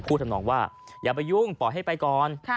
ทำนองว่าอย่าไปยุ่งปล่อยให้ไปก่อน